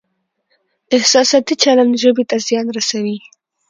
احساساتي چلند ژبې ته زیان رسوي.